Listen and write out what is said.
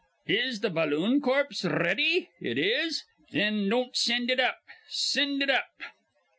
Is th' balloon corpse r ready? It is? Thin don't sind it up. Sind it up.